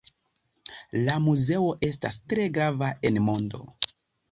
La muzeo estas tre grava en mondo.